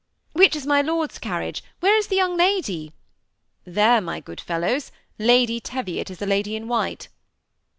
" Which is my lord's car riage, — where is the young lady ?"There, my good fellows. Lady Teviot is the lady in white."